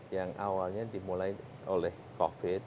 yang awalnya dimulai oleh covid